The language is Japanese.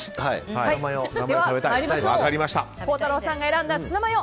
孝太郎さんが選んだツナマヨ